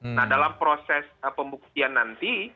nah dalam proses pembuktian nanti